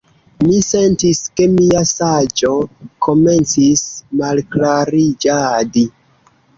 Mi sentis, ke mia saĝo komencis malklariĝadi.